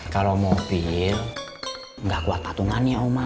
kalo mobil gak kuat tatungannya oma